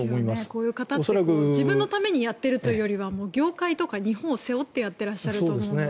こういう方って自分のためにやっているというより業界とか日本を背負ってやってらっしゃると思うので。